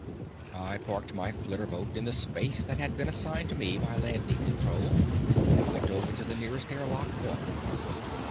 I parked my flitterboat in the space that had been assigned to me by Landing Control, and went over to the nearest air lock dome.